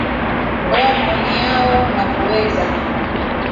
oa maoni yao na kuweza